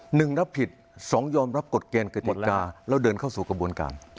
หนึ่งรับผิดสองยอมรับกฎเกณฑ์กติกาแล้วเดินเข้าสู่กระบวนการ